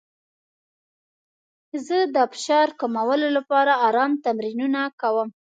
زه د فشار کمولو لپاره ارام تمرینونه کوم.